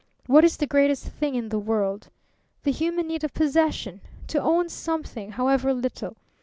What is the greatest thing in the world? The human need of possession. To own something, however little.